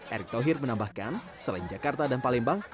erick thohir menambahkan selain jakarta dan palembang